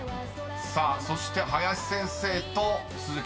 ［さあそして林先生と鈴木さん］